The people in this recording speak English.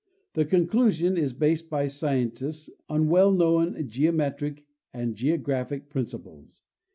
This conclusion is based by scientists on well known geo metric and geographic principles.